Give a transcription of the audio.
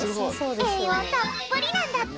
えいようたっぷりなんだって。